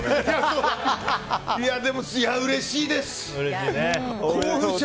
でも、うれしいです。